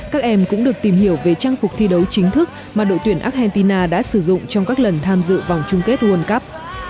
các em cũng được tìm hiểu về trang phục thi đấu chính thức mà đội tuyển argentina đã sử dụng trong các lần tham dự vòng chung kết world cup